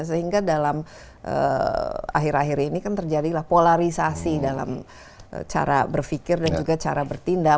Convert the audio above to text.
sehingga dalam akhir akhir ini kan terjadilah polarisasi dalam cara berpikir dan juga cara bertindak